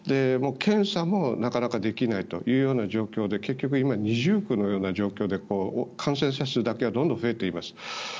検査もなかなかできないというような状況で結局今、二重苦のような状況で感染者数だけがどんどん増えています。